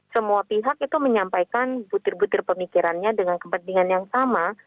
semua pihak itu menyampaikan butir butir pemikirannya dengan kepentingan yang sama